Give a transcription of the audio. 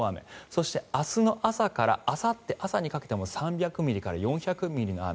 そして明日の朝からあさって朝にかけても３００ミリから４００ミリの雨。